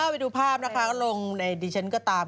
ไปดูภาพนะคะก็ลงในดิฉันก็ตาม